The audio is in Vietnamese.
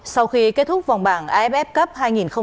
sau khi kết thúc vòng bán vff sẽ có thông báo cụ thể